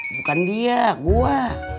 bukan dia gua